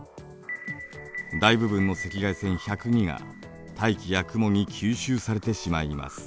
大部分の赤外線１０２が大気や雲に吸収されてしまいます。